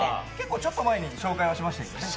ちょっと前に紹介しましたけどね。